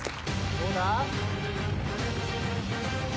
・どうだ？